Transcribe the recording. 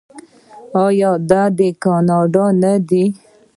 آیا دا دی کاناډا نه دی؟